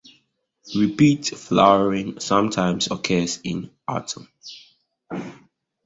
Repeat flowering sometimes occurs in autumn.